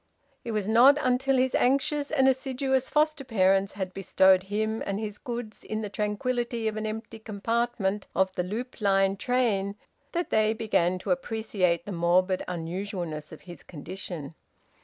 It was not until his anxious and assiduous foster parents had bestowed him and his goods in the tranquillity of an empty compartment of the Loop Line train that they began to appreciate the morbid unusualness of his condition.